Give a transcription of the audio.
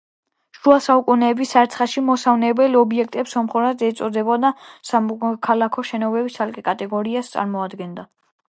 შუა საუკუნეების არცახში მოსასვენებელ ობიექტებს სომხურად ეწოდებოდა და სამოქალაქო შენობების ცალკე კატეგორიას წარმოადგენდა.